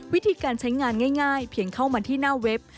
วิธีการใช้งานง่ายเพียงเข้ามาที่หน้าเว็บ